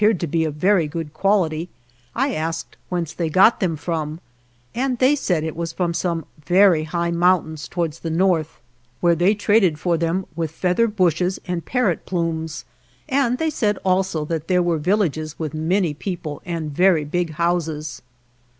It was, of 156 ALVAR NUNEZ CABEZA DE VACA they said it was from some very high moun tains toward the north, where they traded for them with feather bushes and parrot plumes, and they said also that there were villages with many people and very big houses.